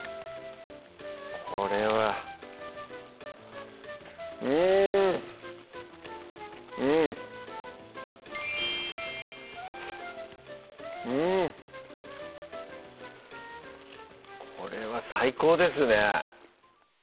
これはうんうんうんこれは最高ですね